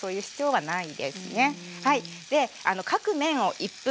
はい。